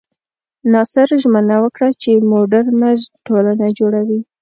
ناصر ژمنه وکړه چې موډرنه ټولنه جوړوي.